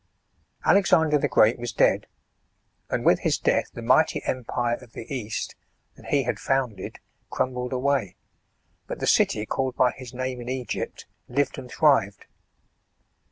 ALEXANDER THE GREAT was dead, and with his death the mighty empire of the East, that he had founded, crumbled away. But the city, called by his name in Egypt, lived and thrived.